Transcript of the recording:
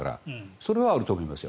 それはあると思います。